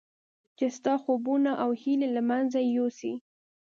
چې ستا خوبونه او هیلې له منځه یوسي.